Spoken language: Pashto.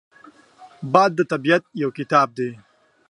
باد د طبیعت یو کتاب دی